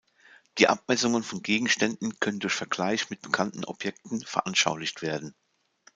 Die Abmessungen von Gegenständen können durch Vergleich mit bekannten Objekten veranschaulicht werden.